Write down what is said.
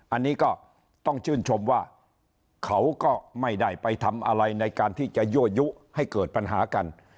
อันนี้ก็ต้องชื่นชมว่าเขาก็ไม่ได้ไปทำอะไรในการที่จะยั่วยุให้เกิดปัญหากัน